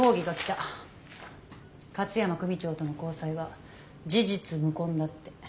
勝山組長との交際は事実無根だって。